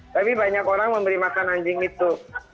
tapi banyak orang memberi makan anjing itu